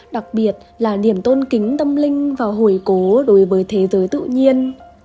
đặc biệt là niềm tôn kính tâm linh và hồi cố đối với thế giới tự nhiên